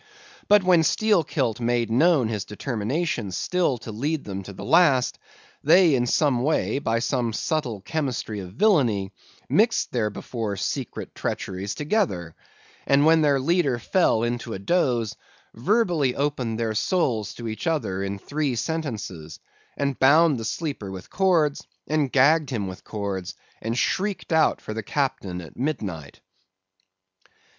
But when Steelkilt made known his determination still to lead them to the last, they in some way, by some subtle chemistry of villany, mixed their before secret treacheries together; and when their leader fell into a doze, verbally opened their souls to each other in three sentences; and bound the sleeper with cords, and gagged him with cords; and shrieked out for the Captain at midnight.